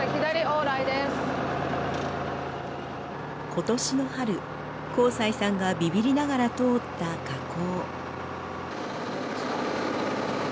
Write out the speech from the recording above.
今年の春幸才さんがビビりながら通った河口。